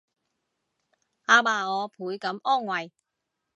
阿嫲我倍感安慰